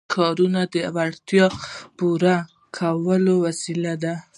ښارونه د اړتیاوو د پوره کولو وسیله ده.